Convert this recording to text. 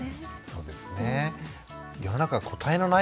そうですね。